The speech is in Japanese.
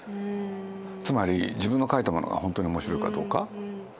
つまり自分の書いたものが本当に面白いかどうか。